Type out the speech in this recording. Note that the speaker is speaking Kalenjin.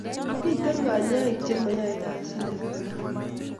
Miten kanyaik che yai kasit nemakararan